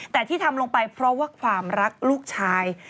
แต่ที่ทำลงไปเพราะว่าความรักลูกชาย